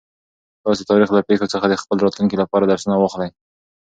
تاسو د تاریخ له پېښو څخه د خپل راتلونکي لپاره درسونه واخلئ.